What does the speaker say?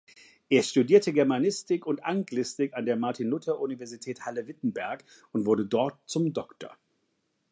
Er studierte Germanistik und Anglistik an der Martin-Luther-Universität Halle-Wittenberg und wurde dort zum "Dr.